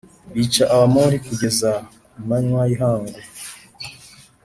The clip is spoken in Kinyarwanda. bica Abamoni kugeza ku manywa y ihangu